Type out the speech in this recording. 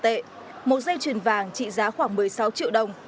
một mươi chín nhân dân tệ một dây chuyền vàng trị giá khoảng một mươi sáu triệu đồng